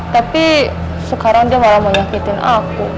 tapi sekarang dia malah mau nyakitin aku